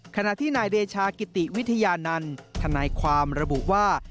ขณะที่นายเดชากิติวิทยานันต์ทนายความระบุว่า